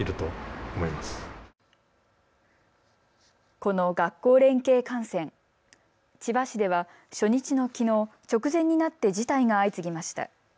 この学校連携観戦、千葉市では初日のきのう、直前になって辞退が相次ぎました。